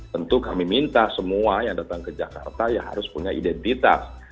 tentu kami minta semua yang datang ke jakarta ya harus punya identitas